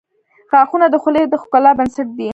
• غاښونه د خولې د ښکلا بنسټ دي.